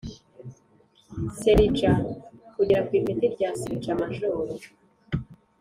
Serija kugera ku ipeti rya serija majoro